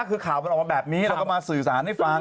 คือข่าวมันออกมาแบบนี้เราก็มาสื่อสารให้ฟัง